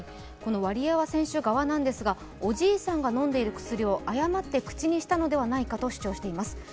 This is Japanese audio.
このワリエワ選手側なんですが、おじいさんが飲んでいる薬を誤って口にしたのではないかと主張しています。